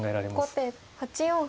後手８四歩。